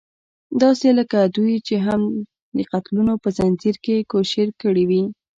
داسې لکه دوی چې هم د قتلونو په ځنځير کې کوشير کړې وي.